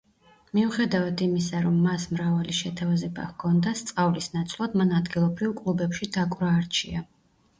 მიუხედავ იმისა, რომ მას მრავალი შეთავაზება ჰქონდა, სწავლის ნაცვლად მან ადგილობრივ კლუბებში დაკვრა არჩია.